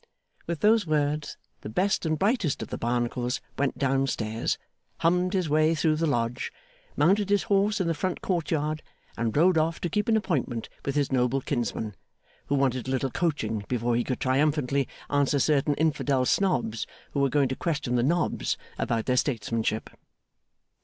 With those words, the best and brightest of the Barnacles went down stairs, hummed his way through the Lodge, mounted his horse in the front court yard, and rode off to keep an appointment with his noble kinsman, who wanted a little coaching before he could triumphantly answer certain infidel Snobs who were going to question the Nobs about their statesmanship.